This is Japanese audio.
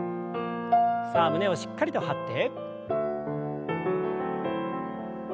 さあ胸をしっかりと張って。